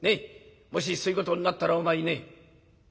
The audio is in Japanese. もしそういうことになったらお前ね